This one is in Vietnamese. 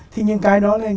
thì những cái đó là